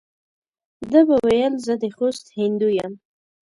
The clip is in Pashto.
ده به ویل زه د خوست هندو یم.